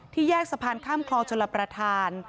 แยกสะพานข้ามคลองชลประธาน